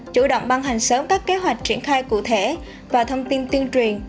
chủ động ban hành sớm các kế hoạch triển khai cụ thể và thông tin tuyên truyền